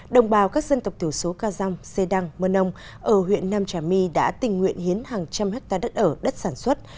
đồng bào các dân tộc thiểu số ca dông xê đăng mơ nông ở huyện nam trà my đã tình nguyện hiến hàng trăm hectare đất ở đất sản xuất